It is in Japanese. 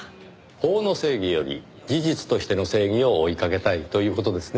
法の正義より事実としての正義を追いかけたいという事ですね。